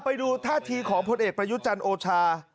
ไปดูท่าทีของผู้เอกประยุจรรย์โอชา